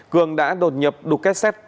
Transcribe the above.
cường đã đột nhập đục két xét